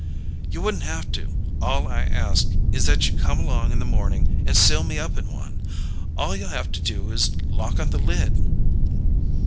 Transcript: "You wouldn't have to. All I ask is that you come along in the morning and seal me up in one. All you'll have to do is lock on the lid."